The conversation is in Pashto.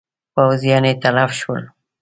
پوځیان یې تلف شول.